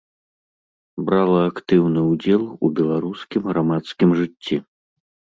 Брала актыўны ўдзел у беларускім грамадскім жыцці.